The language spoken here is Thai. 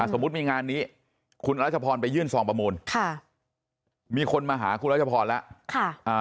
สมมุติมีงานนี้คุณรัชพรไปยื่นซองประมูลมีคนมาหาคุณรัชพรแล้ว